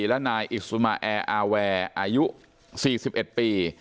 และนายอิซุมาแอร์อาแวร์อายุ๔๑ปี